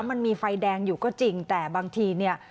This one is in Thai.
มันมีไฟแดงอยู่ก็จริงแต่บางทีเนี่ย